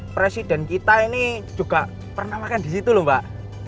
presiden kita ini juga pernah makan disitu lho mbak